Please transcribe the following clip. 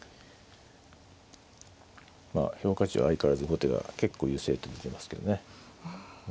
まあ評価値は相変わらず後手が結構優勢と出てますけどね。